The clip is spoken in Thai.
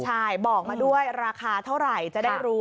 ใช่บอกมาด้วยราคาเท่าไหร่จะได้รู้